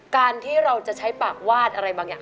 การที่เราจะใช้ปากวาดอะไรบางอย่าง